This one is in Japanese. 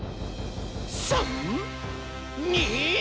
「３！２！」